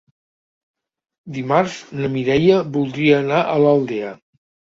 Dimarts na Mireia voldria anar a l'Aldea.